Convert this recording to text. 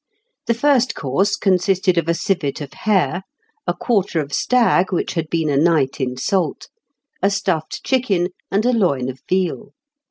"The first course consisted of a civet of hare, a quarter of stag which had been a night in salt, a stuffed chicken, and a loin of veal.